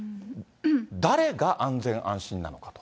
誰が安心・安全なのかと。